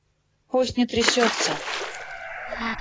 Пусть не трясется!